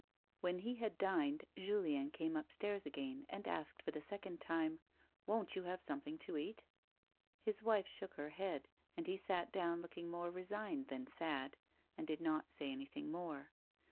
When he had dined, Juiieu came upstairs again and asked for the second time, " Won't you have sometliing to eat 1 " His wife shook her head, and he sat down lookin j; more resigned tlian sad, and did not say anything more.